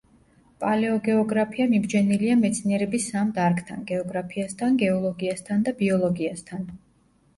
პალეოგეოგრაფია მიბჯენილია მეცნიერების სამ დარგთან: გეოგრაფიასთან, გეოლოგიასთან და ბიოლოგიასთან.